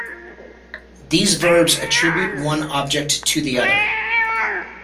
These verbs attribute one object to the other.